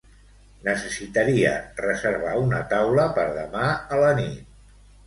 Necessitaria reservar una taula per demà a la nit.